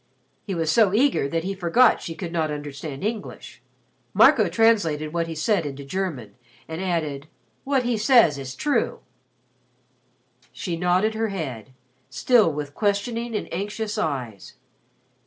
He was so eager that he forgot she could not understand English. Marco translated what he said into German and added: "What he says is true." She nodded her head, still with questioning and anxious eyes.